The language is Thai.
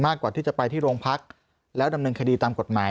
กว่าที่จะไปที่โรงพักแล้วดำเนินคดีตามกฎหมาย